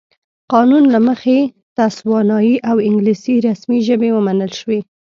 قانون له مخې تسوانایي او انګلیسي رسمي ژبې ومنل شوې.